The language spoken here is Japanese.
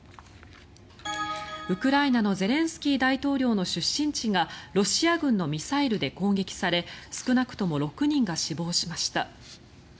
ウクライナのゼレンスキー大統領の出身地がロシア軍のミサイルで攻撃され少なくとも６人が死亡しました。